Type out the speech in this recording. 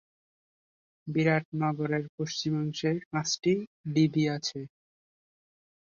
বিরাট নগরের পশ্চিমাংশে পাঁচটি ঢিবি আছে।